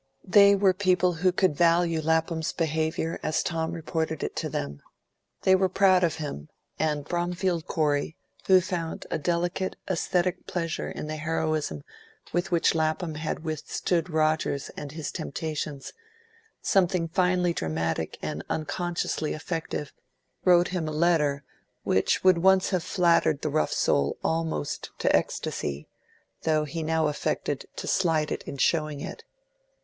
They were people who could value Lapham's behaviour as Tom reported it to them. They were proud of him, and Bromfield Corey, who found a delicate, aesthetic pleasure in the heroism with which Lapham had withstood Rogers and his temptations something finely dramatic and unconsciously effective, wrote him a letter which would once have flattered the rough soul almost to ecstasy, though now he affected to slight it in showing it.